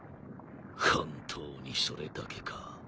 本当にそれだけか？